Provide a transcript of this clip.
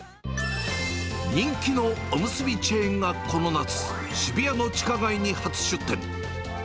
人気のおむすびチェーンがこの夏、渋谷の地下街に初出店。